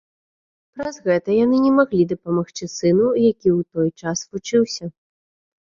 Праз гэта яны не маглі дапамагчы сыну, які ў той час вучыўся.